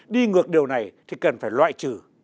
đi ngược điều này thì cần phải loại trừ